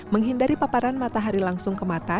menghindari paparan matahari langsung ke mata